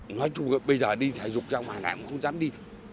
nói chung là bây giờ đi thể dục trong màn hạn cũng không dám đi